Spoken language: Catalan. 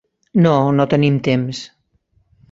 No, no tenim temps.